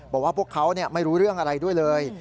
บอกว่าพวกเขาไม่รู้เรื่องอะไรด้วยเลย